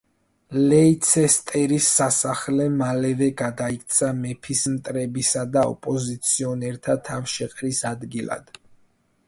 ლეიცესტერის სასახლე მალევე გადაიქცა მეფის მტრებისა და ოპოზიციონერთა თავშეყრის ადგილად.